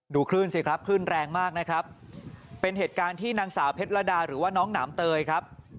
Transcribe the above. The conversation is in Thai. คลื่นสิครับคลื่นแรงมากนะครับเป็นเหตุการณ์ที่นางสาวเพชรดาหรือว่าน้องหนามเตยครับ